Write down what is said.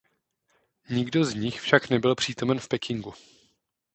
Nikdo z nich však nebyl přítomen v Pekingu.